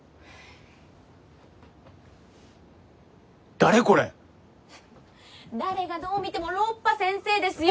誰これ⁉誰がどう見てもロッパ先生ですよ。